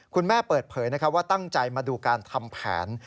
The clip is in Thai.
เปิดเผยว่าตั้งใจมาดูการทำแผน